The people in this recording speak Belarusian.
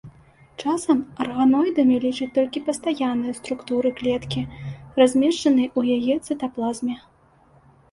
Часам арганоідамі лічаць толькі пастаянныя структуры клеткі, размешчаныя ў яе цытаплазме.